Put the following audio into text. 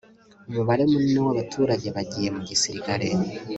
Umubare munini wabaturage bagiye mu gisirikare